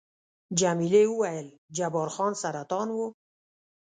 جميلې وويل:، جبار خان سرطان وو؟